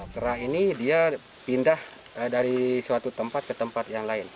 kerah ini dia pindah dari suatu tempat ke tempat yang lain